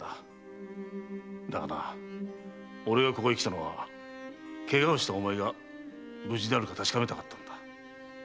だがな俺がここへ来たのは怪我をしたおまえが無事であるか確かめたかったからだ。